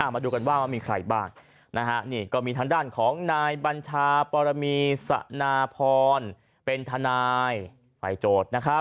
มาดูกันว่ามีใครบ้างนี่ก็มีทางด้านของนายบัญชาปรมีสนาพรเป็นทนายฝ่ายโจทย์